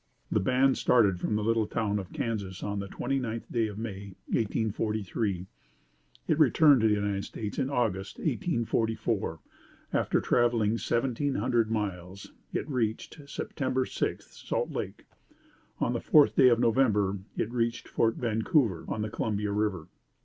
The band started from the little town of Kansas on the twenty ninth day of May, 1843. It returned to the United States in August, 1844. After traveling seventeen hundred miles, it reached, September sixth, Salt Lake. On the fourth day of November it reached Fort Vancouver, on the Columbia River.